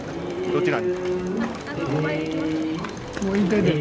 どちらに？